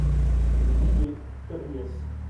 Rue Millet, Cabriès